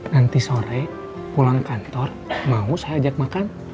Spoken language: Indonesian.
nanti sore pulang kantor mau saya ajak makan